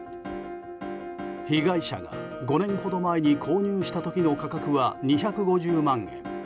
被害者が５年ほど前に購入した時の価格は２５０万円。